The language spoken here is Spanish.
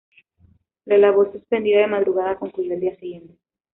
La labor, suspendida de madrugada, concluyó al día siguiente.